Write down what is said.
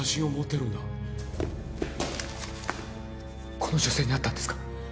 この女性に会ったんですか？